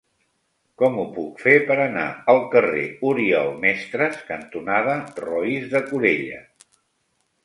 Com ho puc fer per anar al carrer Oriol Mestres cantonada Roís de Corella?